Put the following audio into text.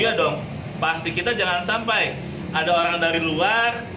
iya dong pasti kita jangan sampai ada orang dari luar